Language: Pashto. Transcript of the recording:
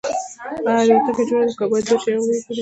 ایا الوتکه جوړه ده که باید ورشئ او وګورئ